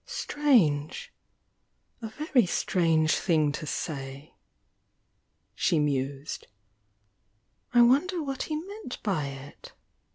"Strange! — a very strange thing to say!" she mused. "I wonder what he meant by it?